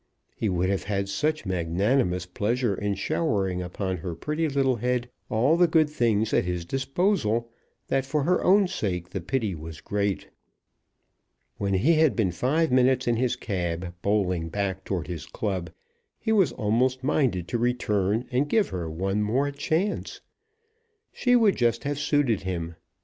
He would have had such magnanimous pleasure in showering upon her pretty little head all the good things at his disposal, that, for her own sake, the pity was great. When he had been five minutes in his cab, bowling back towards his club, he was almost minded to return and give her one more chance. She would just have suited him.